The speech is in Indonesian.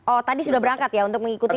oh tadi sudah berangkat ya untuk mengikuti